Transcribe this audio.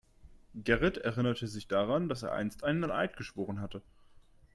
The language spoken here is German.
Gerrit erinnerte sich daran, dass er einst einen Eid geschworen hatte.